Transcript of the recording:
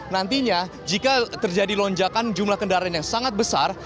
nantinya jika terjadi lonjakan jumlah kendaraan yang sangat besar